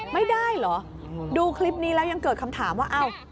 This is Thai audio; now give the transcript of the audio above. ไม่ได้เหรอดูคลิปนี้แล้วยังเกิดคำถามว่าเอ้า